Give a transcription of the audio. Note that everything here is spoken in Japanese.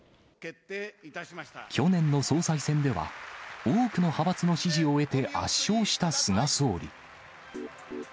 去年の総裁選では、多くの派閥の支持を得て圧勝した菅総理。